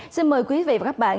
xin mời quý vị và các bạn